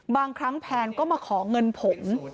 บางครั้งแพนก็มาขอเงินผม